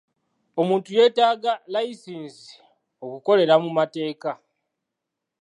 Omuntu yeetaaga layisinsi okukolera mu mateeka.